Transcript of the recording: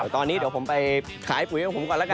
ตอนนี้เดี๋ยวผมไปขายปุ๋ยของผมก่อนแล้วกัน